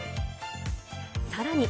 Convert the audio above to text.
さらに。